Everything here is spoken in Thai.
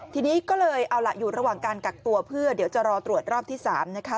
ทีนี้ก็เลยเอาล่ะอยู่ระหว่างการกักตัวเพื่อเดี๋ยวจะรอตรวจรอบที่๓นะคะ